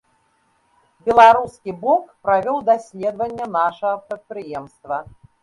Беларускі бок правёў даследаванне нашага прадпрыемства.